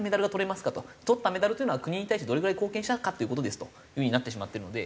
とったメダルというのは国に対してどれぐらい貢献したかっていう事ですという風になってしまってるので。